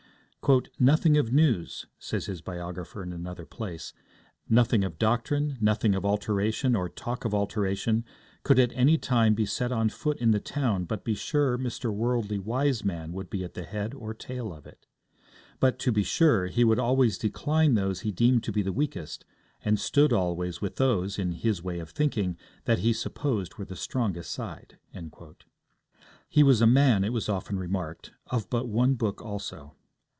'Nothing of news,' says his biographer in another place, 'nothing of doctrine, nothing of alteration or talk of alteration could at any time be set on foot in the town but be sure Mr. Worldly Wiseman would be at the head or tail of it. But, to be sure, he would always decline those he deemed to be the weakest, and stood always with those, in his way of thinking, that he supposed were the strongest side.' He was a man, it was often remarked, of but one book also.